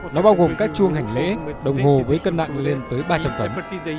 nó bao gồm các chuông hành lễ đồng hồ với cân nặng lên tới ba trăm linh tấn